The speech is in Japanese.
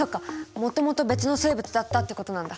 もともと別の生物だったってことなんだ。